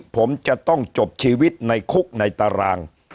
ผมจะต้องจบชีวิตในคุกในตาราง